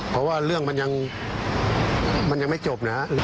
เพราะว่าเรื่องมันยังไม่จบนะครับ